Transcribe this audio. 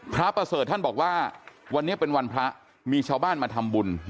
พระประเสริฐท่านบอกว่าวันนี้เป็นวันพระมีชาวบ้านมาทำบุญ